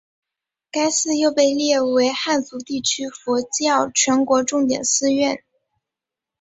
该寺又被列为汉族地区佛教全国重点寺院。